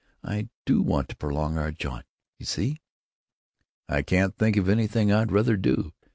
I do want to prolong our jaunt, you see." "I can't think of anything I'd rather do.